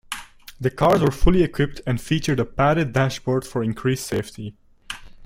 The cars were fully equipped and featured a padded dashboard for increased safety.